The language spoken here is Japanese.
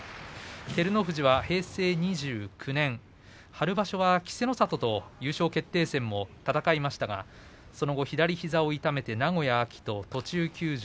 照ノ富士は平成２９年春場所は稀勢の里と優勝決定戦を戦いましたがその後、膝を痛めて名古屋、秋と途中休場。